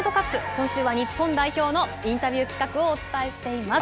今週は日本代表のインタビュー企画をお伝えしています。